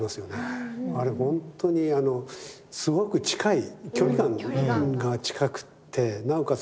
あれ本当にすごく近い距離感が近くてなおかつ